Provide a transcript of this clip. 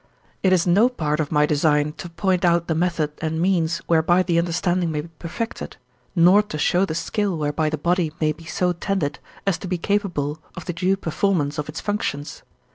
It is no part of my design to point out the method and means whereby the understanding may be perfected, nor to show the skill whereby the body may be so tended, as to be capable of the due performance of its functions.